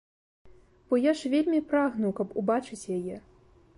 Бо я ж вельмі прагну, каб убачыць яе.